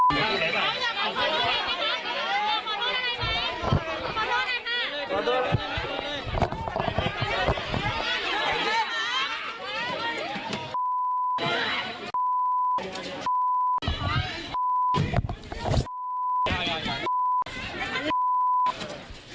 อ้าว